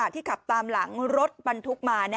ที่ขับตามหลังรถบรรทุกมา